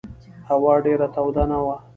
هوا ډېره توده نه وه.